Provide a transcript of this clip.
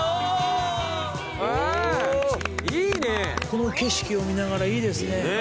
この景色を見ながらいいですね。